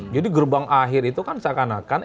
jadi gerbang akhir itu kan seakan akan